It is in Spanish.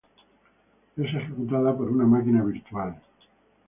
Es ejecutado por una máquina virtual.